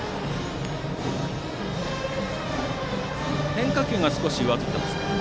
変化球が少し上ずっていますか。